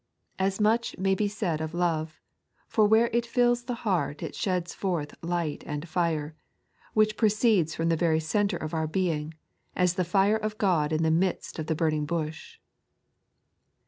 As much may be said of iove, for where it fills the heart it sheds forth light and fire, which proceed from the very centre of our being, aa the fire of God in the midst of the burning bush.